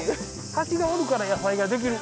ハチがおるから野菜ができる。